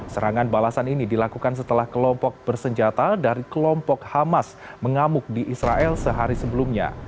serangan balasan ini dilakukan setelah kelompok bersenjata dari kelompok hamas mengamuk di israel sehari sebelumnya